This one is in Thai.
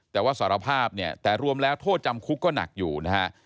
แต่ว่าสารภาพเนี่ยแต่รวมแล้วโทษจำคุกก็หนักอยู่นะฮะ